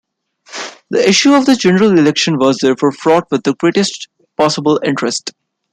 The issue of the general election was therefore fraught with the greatest possible interest.